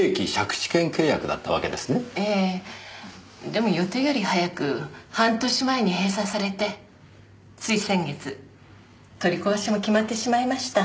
でも予定より早く半年前に閉鎖されてつい先月取り壊しも決まってしまいました。